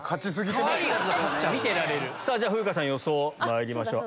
風花さん予想まいりましょう。